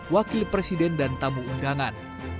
wakil presiden dan tamu undangan